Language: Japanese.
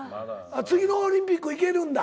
次のオリンピックいけるんだ。